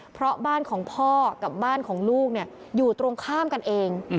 เพราะบ้านของพ่อกับบ้านของลูกอยู่ตรงข้ามกันเอง